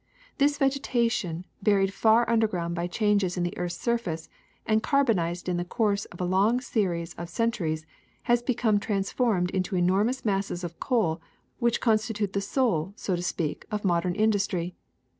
This vegetation, buried far underground by changes in the earth's surface, and carbonized in the course of a long series of, centuries, has become transformed into enormous masses of coal which constitute the soul, so to speak, of modern industry.